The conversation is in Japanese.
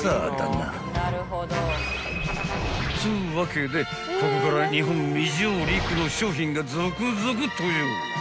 ［つうわけでここから日本未上陸の商品が続々登場］